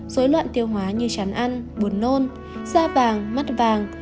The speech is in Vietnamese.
dối loạn tiêu hóa như chán ăn buồn nôn da vàng mắt vàng